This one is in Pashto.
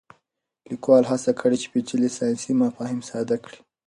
لیکوال هڅه کړې چې پېچلي ساینسي مفاهیم ساده کړي.